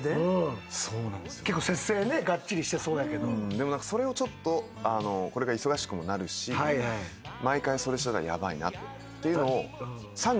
でもそれをこれから忙しくもなるし毎回それしてたらヤバいなというのを。